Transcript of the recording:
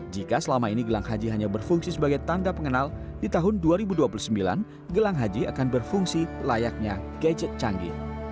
jika selama ini gelang haji hanya berfungsi sebagai tanda pengenal di tahun dua ribu dua puluh sembilan gelang haji akan berfungsi layaknya gadget canggih